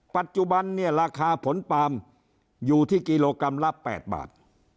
ปัจจุบันเนี่ยราคาผลปาล์มอยู่ที่กิโลกรัมละ๘บาท